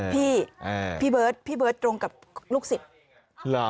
พี่เบิร์ดพี่เบิร์ดตรงกับลูกศิษย์